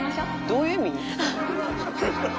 どういう意味？」